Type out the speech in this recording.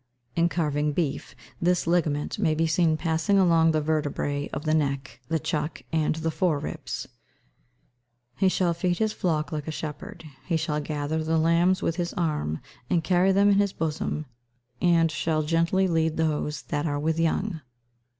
In carving beef, this ligament may be seen passing along the vertebræ of the neck, the chuck, and the fore ribs. [Verse: "He shall feed his flock like a shepherd; he shall gather the lambs with his arm, and carry them in his bosom, and shall gently lead those that are with young."